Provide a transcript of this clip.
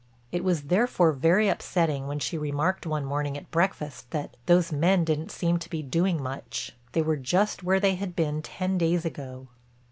It was therefore very upsetting when she remarked one morning at breakfast that "those men didn't seem to be doing much. They were just where they had been ten days ago."